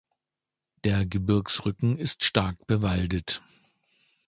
Der Gebirgsrücken ist stark bewaldet.